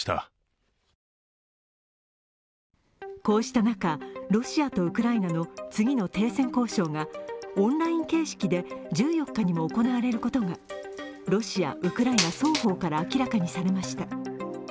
こうした中、ロシアとウクライナの次の停戦交渉がオンライン形式で１４日にも行われることがロシア、ウクライナ双方から明らかにされました。